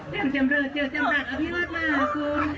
อย่างเต็มเริดเต็มหลักอภิวัตรมาห่วงคุณ